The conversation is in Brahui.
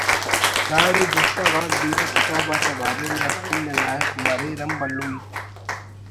داڑے بستہ غاک بیرہ کتاب آتا باریم ءِ ہرفنگ نا لائخ مریر ہم بھلو ہیت